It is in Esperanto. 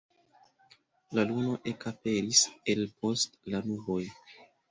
La luno ekaperis el post la nuboj.